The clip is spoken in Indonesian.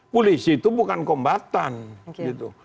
polisi itu bukan kombatan gitu